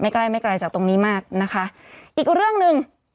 ใกล้ไม่ไกลจากตรงนี้มากนะคะอีกเรื่องหนึ่ง